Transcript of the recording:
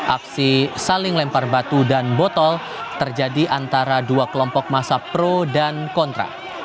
aksi saling lempar batu dan botol terjadi antara dua kelompok masa pro dan kontra